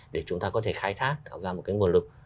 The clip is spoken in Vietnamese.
để chúng ta có thể khai thác tạo ra một cái nguồn lực